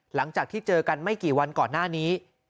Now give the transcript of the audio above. หลังจากที่เจอกันไม่กี่วันก่อนหน้านี้